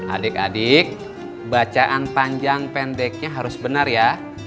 adik adik bacaan panjang pendeknya harus benar ya